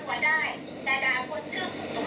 คุณก็จะประสาทว่าคุณคนอะไร